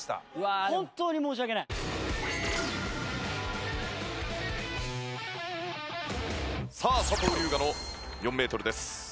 本当に申し訳ない！さあ佐藤龍我の４メートルです。